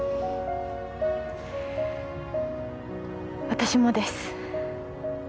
私もです